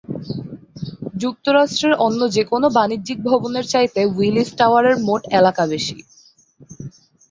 যুক্তরাষ্ট্রের অন্য যেকোন বাণিজ্যিক ভবনের চাইতে উইলিস টাওয়ারের মোট এলাকা বেশি।